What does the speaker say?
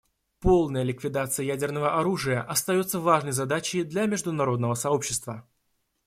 Полная ликвидация ядерного оружия остается важной задачей для международного сообщества.